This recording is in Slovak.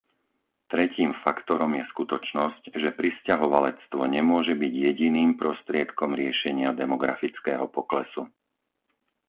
Tretím faktorom je skutočnosť, že prisťahovalectvo nemôže byť jediným prostriedkom riešenia demografického poklesu.